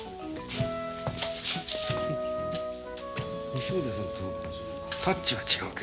西森さんとタッチは違うけど。